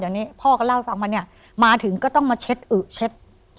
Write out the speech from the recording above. อย่างนี้พ่อก็เล่าฟังมามาถึงก็ต้องมาเช็ดอืดเช็ด